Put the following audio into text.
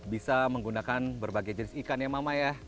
bisa menggunakan berbagai jenis ikan ya mama ya